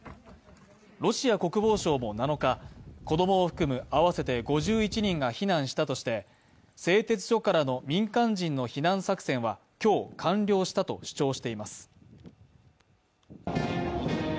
ロシア国防省も７日、子供を含む合わせて５１人が避難したとして、製鉄所からの民間人の避難作戦は今日完了したと主張しています。